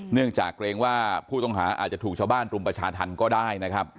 เนื่องจากเกรงว่าผู้ต้องหาอาจจะถูกชาวบ้านรุมประชาธรรมก็ได้นะครับ